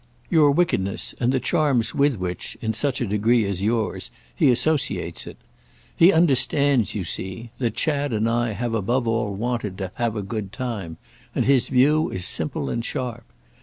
"Your wickedness and the charms with which, in such a degree as yours, he associates it. He understands, you see, that Chad and I have above all wanted to have a good time, and his view is simple and sharp.